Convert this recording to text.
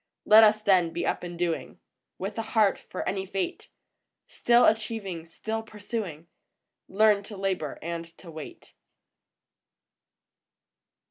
Let us, then, be up and doing, With a heart for any fate ; Still achieving, still pursuing, Learn to labor and to wait.